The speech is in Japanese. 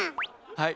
はい。